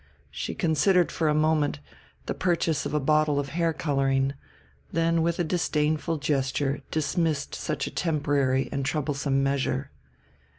She considered for a moment the purchase of a bottle of hair coloring, then with a disdainful gesture dismissed such a temporary and troublesome measure.